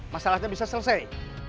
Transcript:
masalahnya bisa selesai